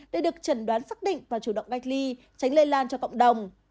để được trần đoán xác định và chủ động cách ly tránh lây lan cho cộng đồng